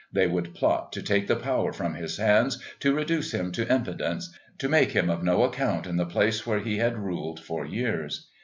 They would plot to take the power from his hands, to reduce him to impotence, to make him of no account in the place where he had ruled for years.